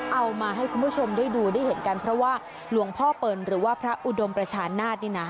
เอามาให้คุณผู้ชมได้ดูได้เห็นกันเพราะว่าหลวงพ่อเปิลหรือว่าพระอุดมประชานาศนี่นะ